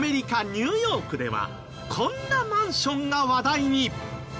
ニューヨークではこんなマンションが話題に！